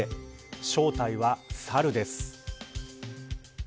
正体はサルです。